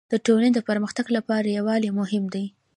د ټولني د پرمختګ لپاره يووالی مهم دی.